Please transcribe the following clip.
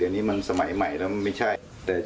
อัตตามากก็ยอมรับว่าอัตตามากก็จะใช้แบบ